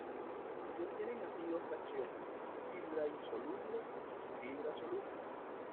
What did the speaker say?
Se obtienen así dos fracciones: fibra insoluble y fibra soluble.